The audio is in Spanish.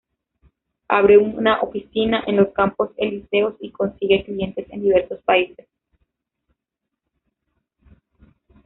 Abre una oficina en los Campos Elíseos, y consigue clientes en diversos países.